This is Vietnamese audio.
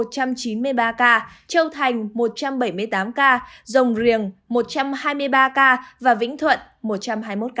một trăm chín mươi ba ca châu thành một trăm bảy mươi tám ca dồng riềng một trăm hai mươi ba ca và vĩnh thuận một trăm hai mươi một ca